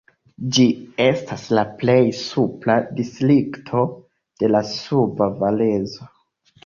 Ĝi estas la plej supra distrikto de la Suba Valezo.